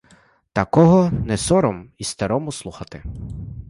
Такого не сором і старому слухати.